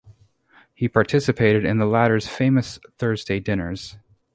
He participated in the latter's famous Thursday dinners.